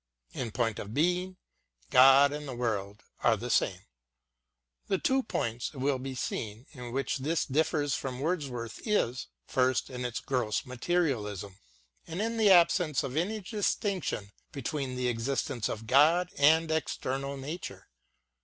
In point of being, God and the world are the same. The two points, it will be seen, in which this differs from Wordsworth is, first, in its gross materialism, and in the absence of any distinction between the existence of God and external nature.